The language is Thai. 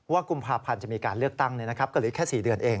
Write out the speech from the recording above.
ว่ากลุงภาพันธ์จะมีการเลือกตั้งในกฎฤทธิ์แค่๔เดือนเอง